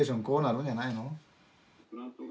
こうなるんじゃないの？